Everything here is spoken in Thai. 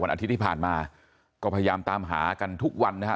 อาทิตย์ที่ผ่านมาก็พยายามตามหากันทุกวันนะฮะ